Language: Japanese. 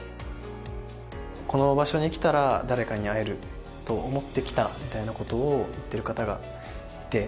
「この場所に来たら誰かに会えると思って来た」みたいな事を言ってる方がいて。